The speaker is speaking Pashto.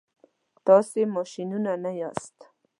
تاسي ماشینونه نه یاست.